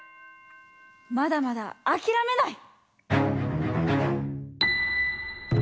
まだまだあきらめない！